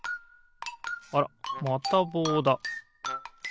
あらまたぼうだ。